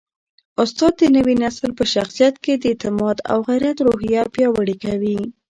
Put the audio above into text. استاد د نوي نسل په شخصیت کي د اعتماد او غیرت روحیه پیاوړې کوي.